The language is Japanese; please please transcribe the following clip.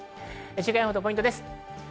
週間予報とポイントです。